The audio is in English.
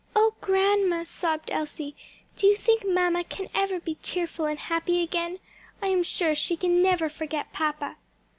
"O grandma," sobbed Elsie, "do you think mamma can ever be cheerful and happy again? I am sure she can never forget papa."